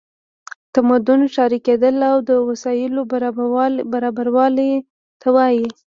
تمدن ښاري کیدل او د وسایلو برابرولو ته وایي.